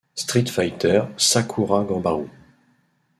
Street Fighter: Sakura Ganbaru!